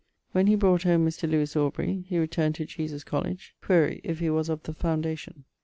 When he brought home Mr. Lewis Aubrey, he returned to Jesus College (quaere, if he was of the foundation).